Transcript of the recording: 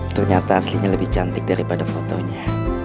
ternyata aslinya lebih cantik daripada fotonya